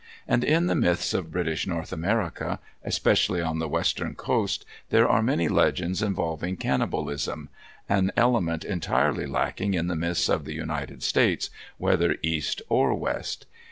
And in the myths of British North America, especially on the western coast, there are many legends involving cannibalism—an element entirely lacking in the myths of the United States, whether east or west.